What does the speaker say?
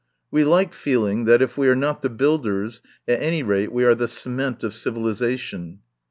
We like feeling that, if we are not the builders, at any rate we are the cement of civilisation."